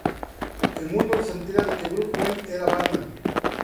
El mundo se entera de que Bruce Wayne era Batman.